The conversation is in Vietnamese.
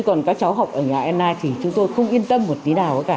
sớm được triển khai